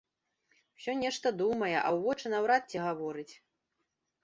Усё нешта думае, а ў вочы наўрад ці гаворыць.